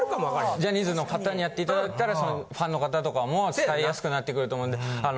ジャニーズの方にやって頂いたらファンの方とかも使いやすくなってくると思うんであの。